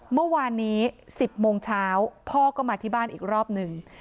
เมื่อวานนี้๑๐โมงเช้าพ่อก็มาที่บ้านอีกรอบหนึ่ง